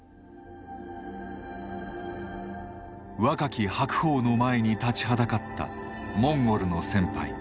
若き白鵬の前に立ちはだかったモンゴルの先輩。